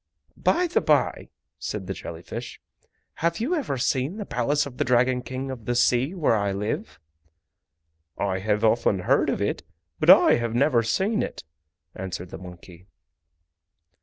"By the bye," said the jelly fish, "have you ever seen the Palace of the Dragon King of the Sea where I live?" "I have often heard of it, but I have never seen it!" answered the monkey.